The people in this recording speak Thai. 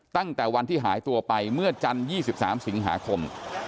ตั้งแต่วันที่หายตัวไปเมื่อจันทร์๒๓สิงหาคม